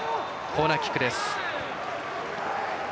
コーナーキックです。